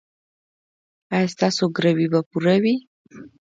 ایا ستاسو ګروي به پوره وي؟